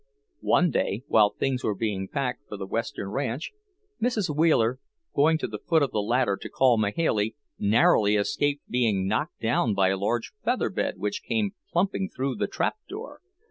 One day, while things were being packed for the western ranch, Mrs. Wheeler, going to the foot of the ladder to call Mahailey, narrowly escaped being knocked down by a large feather bed which came plumping through the trap door.